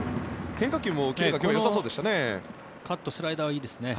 変化球もキレがよさそうでしたね。